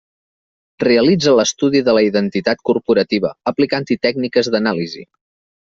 Realitza l'estudi de la identitat corporativa aplicant-hi tècniques d'anàlisi.